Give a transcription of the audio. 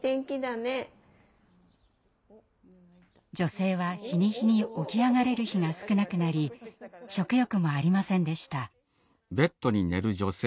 女性は日に日に起き上がれる日が少なくなり食欲もありませんでした。